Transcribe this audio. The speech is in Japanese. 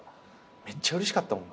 めっちゃうれしかったもん。